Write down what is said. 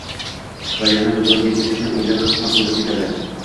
va yana do'konga kelishini o'ylab, xursand bo'lib ketadi.